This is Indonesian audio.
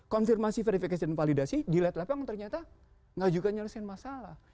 konfirmasi verifikasi dan validasi dilihat lapang ternyata gak juga nyelesain masalah